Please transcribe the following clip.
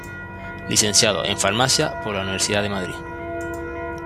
Licenciado en Farmacia por la Universidad de Madrid.